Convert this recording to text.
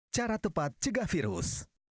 cara tepat cegah virus